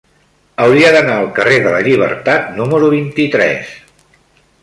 Hauria d'anar al carrer de la Llibertat número vint-i-tres.